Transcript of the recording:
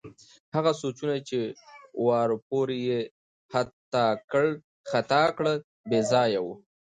هغه سوچونه چې واروپار یې ختا کړ، بې ځایه وو.